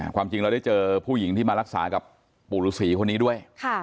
ความจริงเราได้เจอผู้หญิงที่มารักษากับปู่ฤษีคนนี้ด้วย